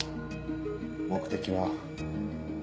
目的は。